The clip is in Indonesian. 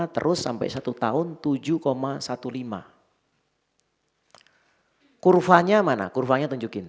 terus sampai satu tahun